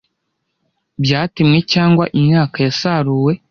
byatemwe cyangwa imyaka yasaruwe